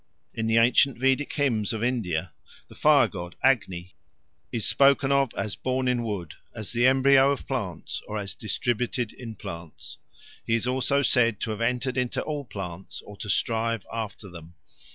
In the ancient Vedic hymns of India the fire god Agni "is spoken of as born in wood, as the embryo of plants, or as distributed in plants. He is also said to have entered into all plants or to strive after them.